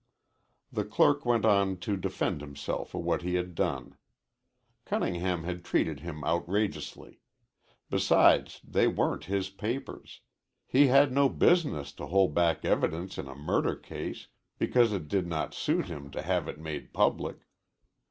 The clerk went on to defend himself for what he had done. Cunningham had treated him outrageously. Besides, they weren't his papers. He had no business to hold back evidence in a murder case because it did not suit him to have it made public.